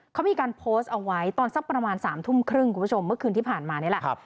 เขามีการโพสต์เอาไว้ตอนสักประมาณ๓ทุ่มครึ่งคุณผู้ชมเมื่อคืนที่ผ่านมานี่แหละ